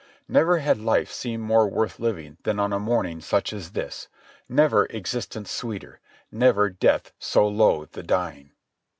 Never had life seemed more worth living than on a morning such as this; never existence sweeter; never Death so loath the dying.